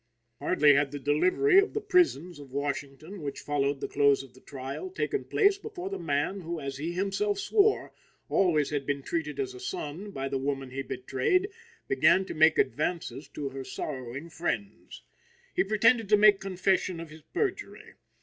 Hardly had the delivery of the prisons of Washington, which followed the close of the trial, taken place, before the man who, as he himself swore, always had been treated as a son by the woman he betrayed, began to make advances to her sorrowing friends. He pretended to make confession of his perjury.